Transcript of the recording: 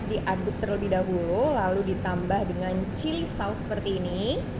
sedikit lebih dahulu lalu ditambah dengan chili sauce seperti ini